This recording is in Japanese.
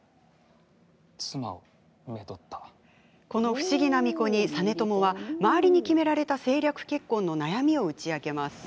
この不思議な巫女に実朝は、周りに決められた政略結婚の悩みを打ち明けます。